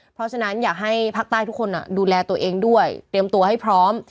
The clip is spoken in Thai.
เพราะฉะนั้นอยากให้ภาคใต้ทุกคนดูแลตัวเองด้วยเตรียมตัวให้พร้อม